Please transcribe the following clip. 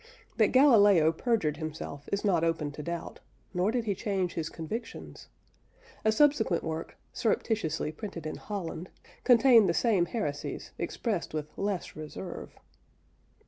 That Galileo perjured himself is not open to doubt, nor did he change his convictions. A subsequent work, surreptitiously printed in Holland, contained the same heresies expressed with less reserve.